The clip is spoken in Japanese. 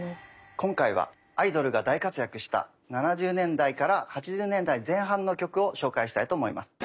今回はアイドルが大活躍した７０年代から８０年代前半の曲を紹介したいと思います。